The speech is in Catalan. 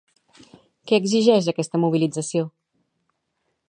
Què exigeix aquesta mobilització?